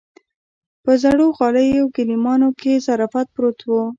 په زړو غاليو ګيلمانو کې ظرافت پروت و.